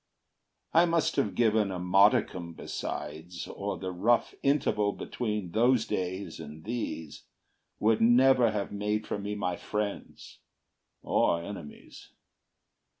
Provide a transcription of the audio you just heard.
I must have given a modicum besides, Or the rough interval between those days And these would never have made for me my friends, Or enemies.